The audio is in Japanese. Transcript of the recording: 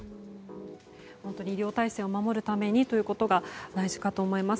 本当に医療体制を守るためにということが大事かと思います。